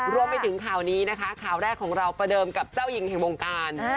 รวมไปถึงข่าวนี้นะคะข่าวแรกของเราประเดิมกับเจ้าหญิงแห่งวงการ